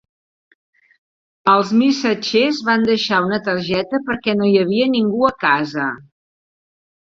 Els missatgers van deixar una targeta perquè no hi havia ningú a casa.